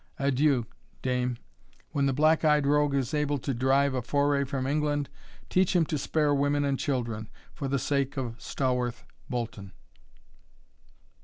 Adieu, dame; when the black eyed rogue is able to drive a foray from England, teach him to spare women and children, for the sake of Stawarth Bolton."